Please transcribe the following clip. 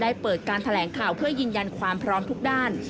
เปิดการแถลงข่าวเพื่อยืนยันความพร้อมทุกด้าน